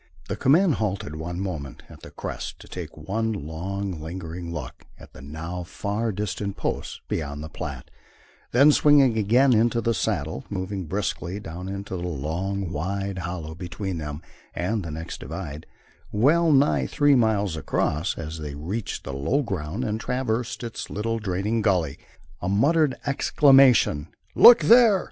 The command halted one moment at the crest to take one long, lingering look at the now far distant post beyond the Platte; then, swinging again into saddle, moved briskly down into the long, wide hollow between them and the next divide, well nigh three miles across, and as they reached the low ground and traversed its little draining gully, a muttered exclamation "Look there!"